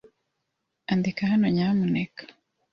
Andika hano, nyamuneka.